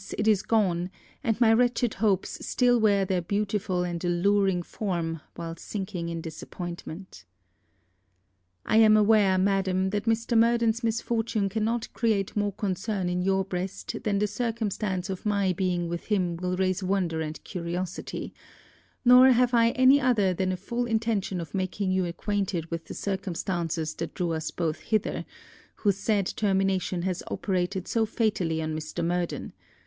it is gone; and my wretched hopes still wear their beautiful and alluring form while sinking in disappointment. I am aware, Madam, that Mr. Murden's misfortune cannot create more concern in your breast than the circumstance of my being with him will raise wonder and curiosity; nor have I any other than a full intention of making you acquainted with the circumstances that drew us both hither, whose sad termination has operated so fatally on Mr. Murden.